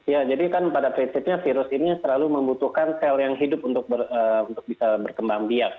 ya jadi kan pada prinsipnya virus ini selalu membutuhkan sel yang hidup untuk bisa berkembang biak